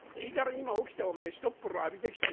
今起きてひとっ風呂浴びてきたんだ。